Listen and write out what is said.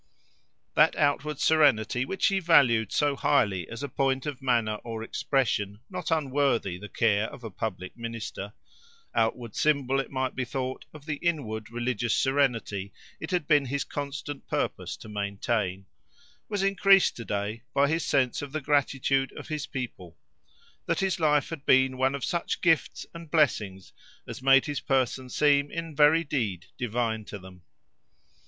That outward serenity, which he valued so highly as a point of manner or expression not unworthy the care of a public minister—outward symbol, it might be thought, of the inward religious serenity it had been his constant purpose to maintain—was increased to day by his sense of the gratitude of his people; that his life had been one of such gifts and blessings as made his person seem in very deed divine to them.